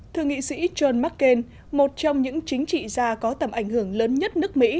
thượng nghị sĩ john mccain một trong những chính trị gia có tầm ảnh hưởng lớn nhất nước mỹ